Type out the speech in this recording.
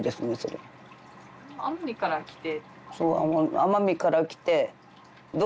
奄美から来て。